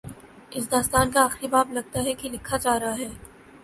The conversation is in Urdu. اس داستان کا آخری باب، لگتا ہے کہ لکھا جا رہا ہے۔